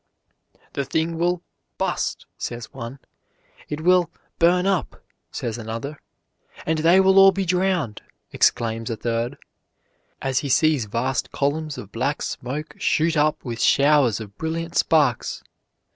"The thing will 'bust,'" says one; "it will burn up," says another, and "they will all be drowned," exclaims a third, as he sees vast columns of black smoke shoot up with showers of brilliant sparks.